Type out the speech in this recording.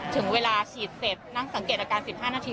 ถึงเวลาฉีดเสร็จนั่งสังเกตอาการ๑๕นาที